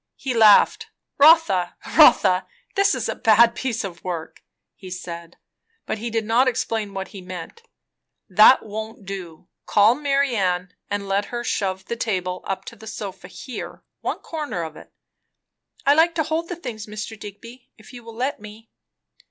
He laughed. "Rotha, Rotha! this is a bad piece of work!" he said; but he did not explain what he meant. "That won't do. Call Marianne and let her shove the table up to the sofa here one corner of it." "I like to hold the things, Mr. Digby, if you will let me."